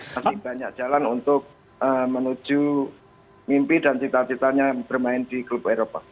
masih banyak jalan untuk menuju mimpi dan cita citanya bermain di klub eropa